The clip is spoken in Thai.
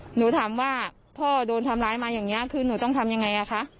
หนูถามว่าพ่อโดนทำร้ายมาอย่างนี้คือหนูต้องทำยังไงอ่ะคะ